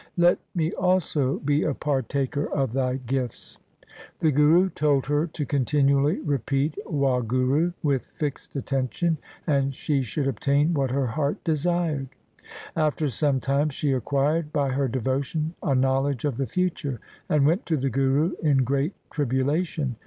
Let me also be a partaker of thy gifts.' The Guru told her to continually repeat Wahguru with fixed attention, and she should obtain what her heart desired. After some time she acquired by her devotion a knowledge of the future, and went to the Guru in great tribulation.